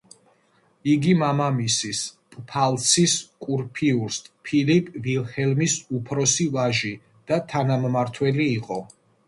იგი მამამისის, პფალცის კურფიურსტ ფილიპ ვილჰელმის უფროსი ვაჟი და თანამმართველი იყო.